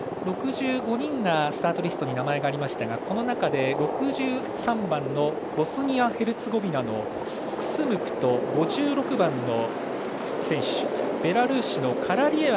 ６５人がスタートリストに名前がありましたがこの中で、６３番のボスニア・ヘルツェゴビナのクスムクとビブナンバー５６番の選手